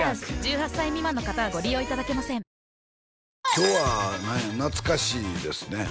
今日は何や懐かしいですね